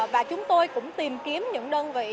và chúng tôi cũng tìm kiếm những đơn vị